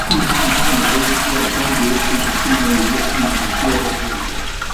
La chanson a réussi à atteindre de hautes positions dans les classement musicaux européens.